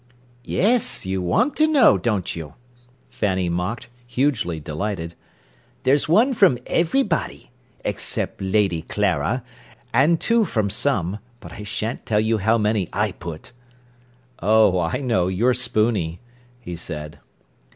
"Yes, you want to know, don't you?" Fanny mocked, hugely delighted. "There's one from everybody—except Lady Clara—and two from some. But I shan't tell you how many I put." "Oh, I know, you're spooney," he said.